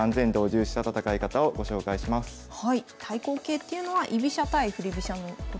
対抗形っていうのは居飛車対振り飛車のことですか？